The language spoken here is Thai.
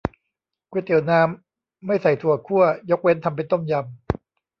ก๋วยเตี๋ยวน้ำ ไม่ใส่ถั่วคั่ว ยกเว้นทำเป็นต้มยำ